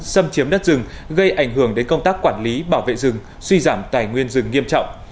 xâm chiếm đất rừng gây ảnh hưởng đến công tác quản lý bảo vệ rừng suy giảm tài nguyên rừng nghiêm trọng